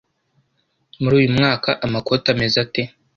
Muri uyu mwaka, amakoti ameze ate?